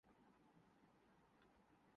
یونانی